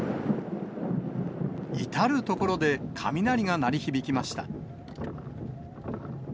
至る所で雷が鳴り響きました。